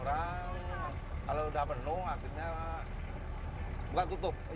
delapan puluh orang kalau sudah penuh akhirnya buka tutup